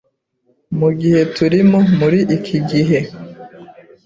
mu gihe turimo muri iki gihe